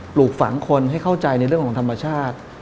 ปลูกฝังคนให้เข้าใจในเรื่องของธรรมชาติ